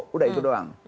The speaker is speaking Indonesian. sudah itu saja